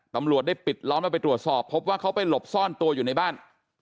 ตำรวจได้ปิดล้อมแล้วไปตรวจสอบพบว่าเขาไปหลบซ่อนตัวอยู่ในบ้าน